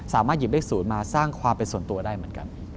สามารถหยิบเลข๐มาสร้างความเป็นส่วนตัวได้เหมือนกัน